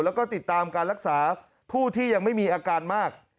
แล้วก็ติดตามการรักษาผู้ที่ยังไม่มีอาการมาก